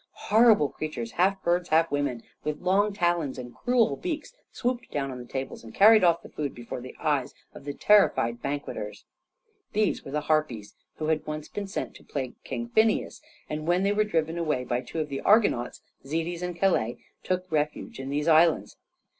Horrible creatures, half birds, half women, with long talons and cruel beaks, swooped down on the tables and carried off the food before the eyes of the terrified banqueters. These were the Harpies, who had once been sent to plague King Phineus, and when they were driven away by two of the Argonauts, Zetes and Calais, took refuge in these islands.